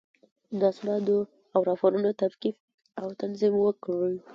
د اسنادو او راپورونو تفکیک او تنظیم وکړئ.